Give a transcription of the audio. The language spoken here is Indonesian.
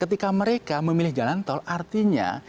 ketika mereka memilih jalan tol artinya